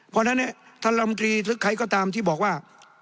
เพราะฉะนั้นธรรมดีทุกใครก็ตามที่บอกว่า